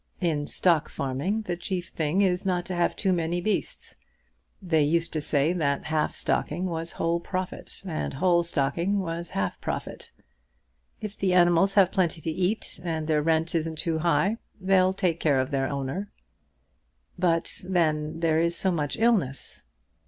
In stock farming the chief thing is not to have too many beasts. They used to say that half stocking was whole profit, and whole stocking was half profit. If the animals have plenty to eat, and the rent isn't too high, they'll take care of their owner." "But then there is so much illness."